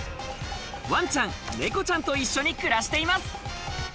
ワンちゃん、ネコちゃんと一緒に暮らしています。